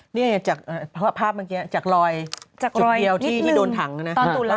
เนี่ยจากภาพเมื่อกี้จากรอยจากจุดเดียวที่โดนถังนะ